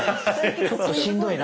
ちょっとしんどいな。